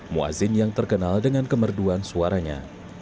muazzin yang terkenal dengan kemerduan suaranya